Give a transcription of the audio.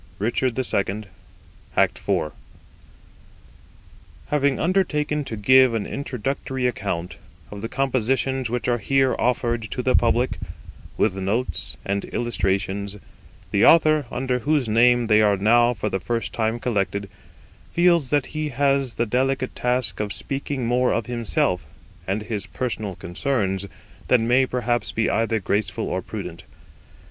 Richard II, Act IV. Having undertaken to give an Introductory Account of the compositions which are here offered to the public, with Notes and Illustrations, the Author, under whose name they are now for the first time collected, feels that he has the delicate task of speaking more of himself and his personal concerns than may perhaps be either graceful or prudent.